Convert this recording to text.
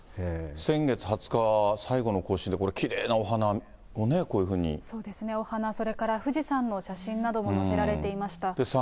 先月２０日、最後の更新で、これ、きれいなお花をこういうふそうですね、お花、それから富士山の写真なども載せられていました。